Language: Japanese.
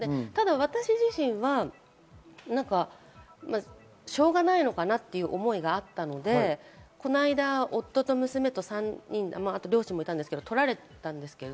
私自身は、しょうがないのかなという思いがあったので、この間、夫と娘と両親もいましたが撮られたんです。